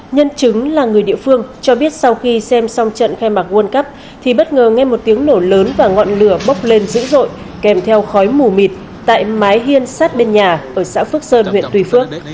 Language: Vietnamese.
nhân chứng là người địa phương cho biết sau khi xem xong trận khai mạc world cup thì bất ngờ nghe một tiếng nổ lớn và ngọn lửa bốc lên dữ dội kèm theo khói mù mịt tại mái hiên sát bên nhà ở xã phước sơn huyện tuy phước